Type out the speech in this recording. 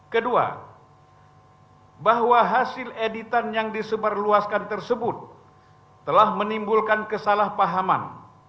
kedua bahwa hasil editan yang disebarluaskan tersebut telah menimbulkan kesalahpahaman